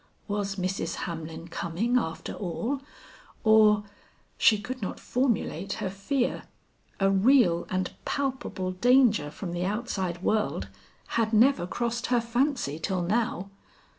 Was Mrs. Hamlin coming after all, or she could not formulate her fear; a real and palpable danger from the outside world had never crossed her fancy till now.